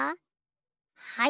はい。